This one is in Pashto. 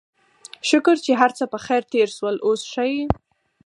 شکر چې هرڅه پخير تېر شول، اوس ښه يې؟